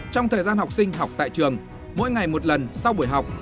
trong thời gian học sinh học tại trường mỗi ngày một lần sau buổi học